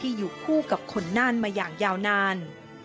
อยู่คู่กับคนน่านมาอย่างยาวนาน